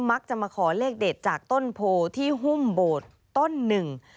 มักจะมาขอเลขเด็ดจากต้นโพที่หุ้มโบสถ์ต้นหนึ่ง